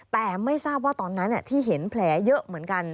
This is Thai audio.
แต่ไม่ทราบว่าตอนนั้นที่เห็นแผลเยอะเหมือนกัน